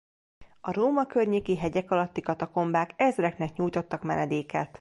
A Róma környéki hegyek alatti katakombák ezreknek nyújtottak menedéket.